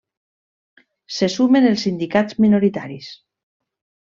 Se sumen els sindicats minoritaris.